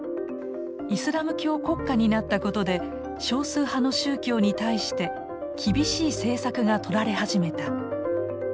イスラム教国家になったことで少数派の宗教に対して厳しい政策がとられ始めた。